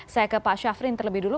saya ke pak syafrin terlebih dulu